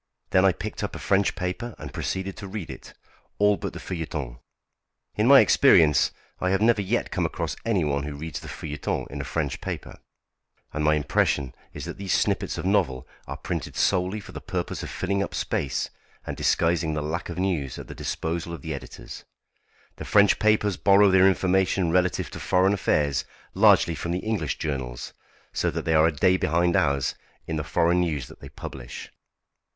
Then I picked up a French paper and proceeded to read it all but the feuilleton. In my experience I have never yet come across anyone who reads the feuilletons in a French paper; and my impression is that these snippets of novel are printed solely for the purpose of filling up space and disguising the lack of news at the disposal of the editors. The French papers borrow their information relative to foreign affairs largely from the English journals, so that they are a day behind ours in the foreign news that they publish.